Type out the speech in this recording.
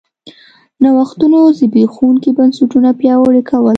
نوښتونو زبېښونکي بنسټونه پیاوړي کول